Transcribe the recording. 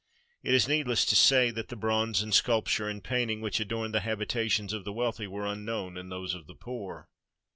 It is needless to say that the bronze and sculpture and painting which adorned the habitations of the wealthy were unknown in those of the poor.